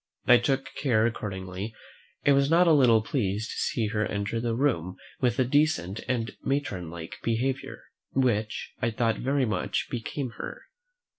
I took care accordingly, and was not a little pleased to see her enter the room with a decent and matron like behaviour, which I thought very much became her.